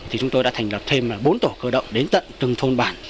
thì chúng tôi đã thành lập thêm bốn tổ cơ động đến tận từng thôn bản